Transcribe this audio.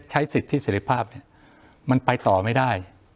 ใช้สิทธิเสร็จภาพเนี่ยมันไปต่อไม่ได้